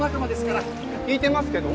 引いてますけど。